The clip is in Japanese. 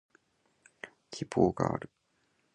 希望がある